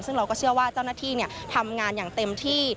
ซึ่งเราก็เชื่อว่าเจ้าหน้าที่ทำงานอย่างเต็มที่